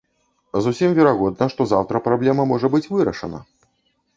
Зусім верагодна, што заўтра праблема можа быць вырашана.